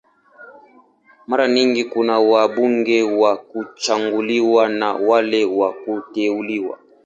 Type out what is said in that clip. Mara nyingi kuna wabunge wa kuchaguliwa na wale wa kuteuliwa.